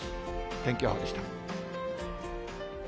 天気予報でした。